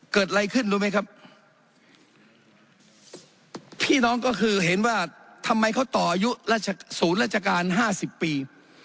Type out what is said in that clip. เกิดอะไรขึ้นรู้ไหมครับพี่น้องก็คือเห็นว่าทำไมเขาต่ออายุราชศูนย์ราชการห้าสิบปี